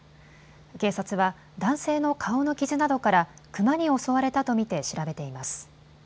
警察は男性の顔の傷などからクマに襲われたと見て調べています。